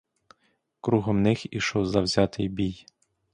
Кругом них ішов завзятий бій.